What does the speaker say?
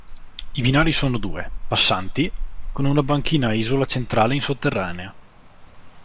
I binari sono due, passanti, con una banchina a isola centrale in sotterranea.